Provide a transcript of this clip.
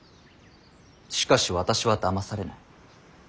しかし私はだまされない。